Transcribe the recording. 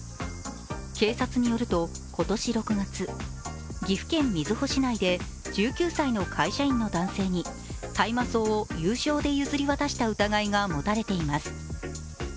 警察によると今年６月、岐阜県瑞穂市内で１９歳の会社員の男性に、大麻草を有償で譲り渡した疑いが持たれています。